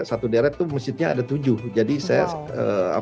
satu deret itu masjidnya ada tujuh jadi saya